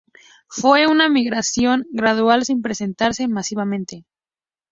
Fue una migración gradual sin presentarse masivamente.